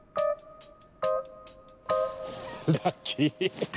ラッキー。